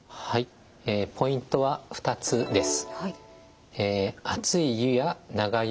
ポイントは２つです。